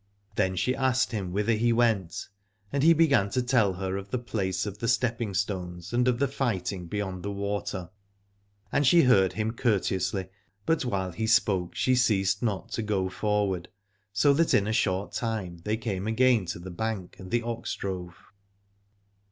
Then she asked him whither he went, and he began to tell her of the place of the stepping stones and of the fighting beyond the water. And she heard him courteously, but while he spoke she ceased not to go forward, so that in short time they came again to the bank and the ox drove.